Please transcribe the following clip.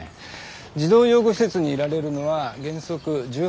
児童養護施設にいられるのは原則１８歳までです。